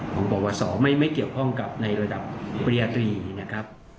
ของประวัติศาสตร์ไม่เกี่ยวข้องกับในระดับประยะตรีนะครับ